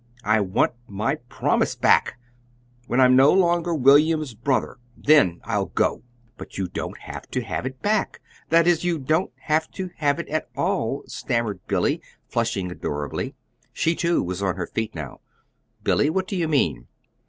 I want my promise back! When I'm no longer William's brother then I'll go!" "But you don't have to have it back that is, you don't have to have it at all," stammered Billy, flushing adorably. She, too, was on her feet now. "Billy, what do you mean?"